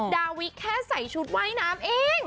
ดาวิแค่ใส่ชุดว่ายน้ำเอง